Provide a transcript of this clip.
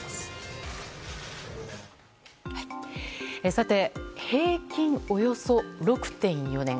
さて、平均およそ６．４年。